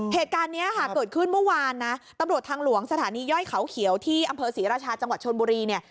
เหตุการณ์นี้ค่ะเกิดขึ้นเมื่อวานนะตำรวจทางหลวงสถานีย่อยเขาเขียวที่อำเภอศรีราชาจังหวัดชนบุรีเนี่ย